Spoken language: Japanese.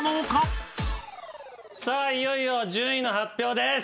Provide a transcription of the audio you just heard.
いよいよ順位の発表です。